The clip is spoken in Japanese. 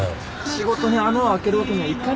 仕事に穴をあけるわけにはいかないんです。